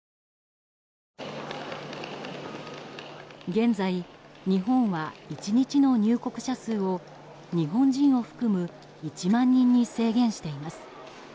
現在、日本は１日の入国者数を日本人を含む１万人に制限しています。